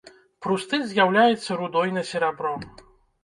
Прустыт з'яўляецца рудой на серабро.